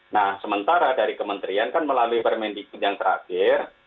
nah sementara dari kementerian kan melalui permendikin yang terakhir